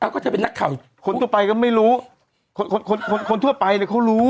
ก็จะเป็นนักข่าวคนทั่วไปก็ไม่รู้คนคนทั่วไปเลยเขารู้